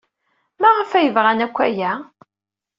Maɣef ay bɣan akk aya?